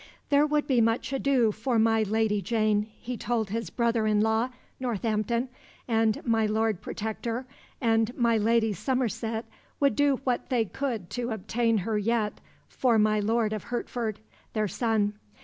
There would be much ado for my Lady Jane, he told his brother in law, Northampton, and my Lord Protector and my Lady Somerset would do what they could to obtain her yet for my Lord of Hertford, their son.